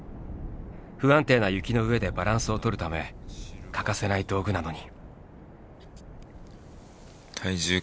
不安定な雪の上でバランスをとるため欠かせない道具なのに。